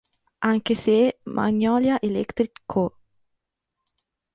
Anche se Magnolia Electric Co.